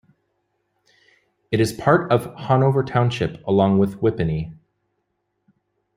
It is part of Hanover Township along with Whippany.